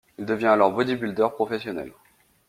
Il devient alors bodybuilder professionnel.